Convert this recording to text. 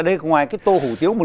đây ngoài cái tô hủ tiếu